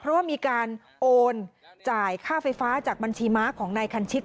เพราะว่ามีการโอนจ่ายค่าไฟฟ้าจากบัญชีม้าของนายคันชิต